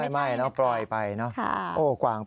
ไม่นะปล่อยไปเนอะ